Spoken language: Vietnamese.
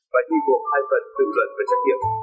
và thi vụng hai phần tư luận và trách nhiệm